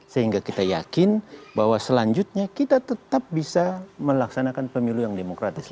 sehingga kita yakin bahwa selanjutnya kita tetap bisa melaksanakan pemilu yang demokratis